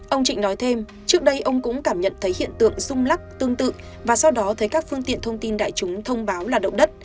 ông trịnh nói thêm trước đây ông cũng cảm nhận thấy hiện tượng rung lắc tương tự và sau đó thấy các phương tiện thông tin đại chúng thông báo là động đất